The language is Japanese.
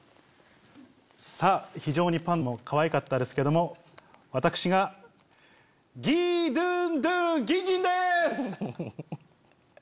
さぁ非常にパンダもかわいかったですけども私がギドゥンドゥンギンギンです！